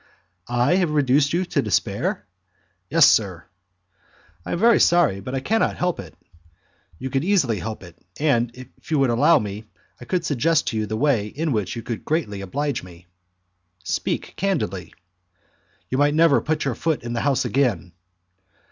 "I have reduced you to despair?" "Yes, sir." "I am very sorry, but I cannot help it." "You could easily help it; and, if you would allow me, I could suggest to you the way in which you could greatly oblige me." "Speak candidly." "You might never put your foot in the house again."